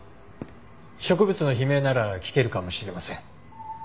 植物の悲鳴なら聞けるかもしれません。